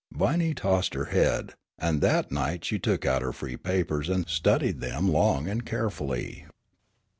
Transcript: Viney tossed her head, and that night she took out her free papers and studied them long and carefully.